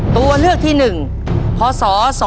ตัวเลือกที่๑พศ๒๕๖